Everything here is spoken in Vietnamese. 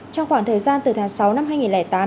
trong khoảng thời gian từ tháng sáu năm hai nghìn tám